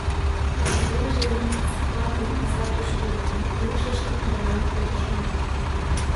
Норвежец-влакым азап гыч луктым, илышыштым арален кодышым.